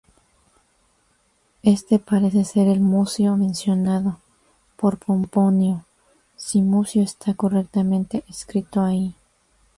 Este parece ser el Mucio mencionado por Pomponio, si Mucio está correctamente escrito allí.